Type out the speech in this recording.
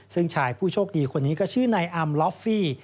ซึ่งชายผู้โชคดีคนนี้ก็ชื่อนายอำลอฟฟี่